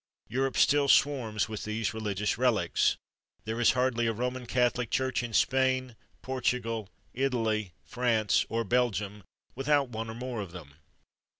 Europe still swarms with these religious relics. There is hardly a Roman Catholic church in Spain, Portugal, Italy, France, or Belgium, without one or more of them.